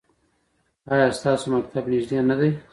ایا ستاسو مکتب نږدې نه دی؟